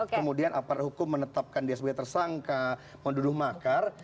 kemudian aparat hukum menetapkan dia sebagai tersangka menduduh makar